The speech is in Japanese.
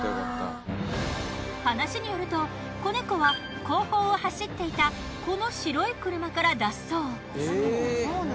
話によると子猫は後方を走っていたこの白い車から脱走。